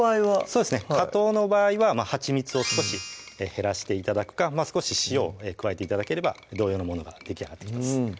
そうですね加糖の場合ははちみつを少し減らして頂くか少し塩を加えて頂ければ同様のものができあがってきます